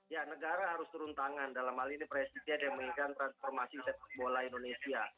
ya negara harus turun tangan dalam hal ini presiden yang menginginkan transformasi sepak bola indonesia